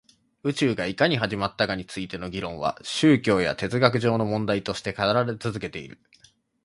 宇宙がいかに始まったかについての議論は宗教や哲学上の問題として語られて続けている